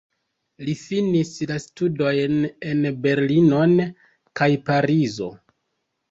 Li finis la studojn en Berlinon kaj Parizo.